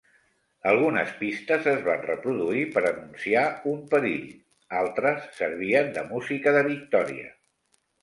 Algunes pistes es van reproduir per anunciar un perill; altres servien de música de victòria.